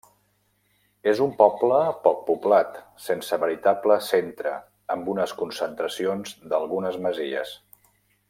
És un poble poc poblat, sense veritable centre amb unes concentracions d'algunes masies.